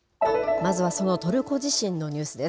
まずはそのトルコ地震のニュースです。